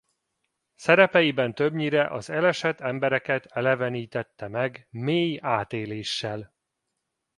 Szerepeiben többnyire az elesett embereket elevenítette meg mély átéléssel.